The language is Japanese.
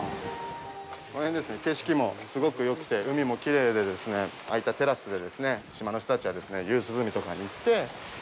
この辺ですね、景色もすごくよくて海もきれいで、空いたテラスで島の人たちは夕涼みとかに行って。